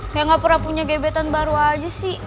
kayak gak pernah punya gebetan baru aja sih